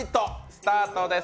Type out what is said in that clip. スタートです。